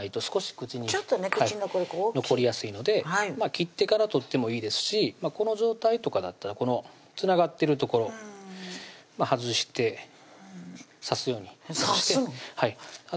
口残る残りやすいので切ってから取ってもいいですしこの状態とかだったらこのつながってる所外して刺すように刺すん？